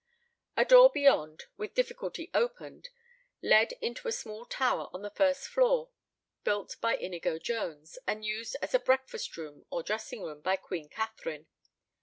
A door beyond, with difficulty opened, led into a small tower on the first floor, built by Inigo Jones, and used as a breakfast room or dressing room by Queen Catherine.